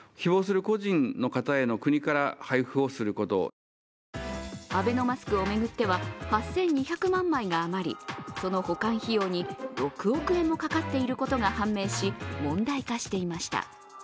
その訳はアベノマスクを巡っては８２００万枚が余り、その保管費用に６億円もかかっていることが判明し問題化していました。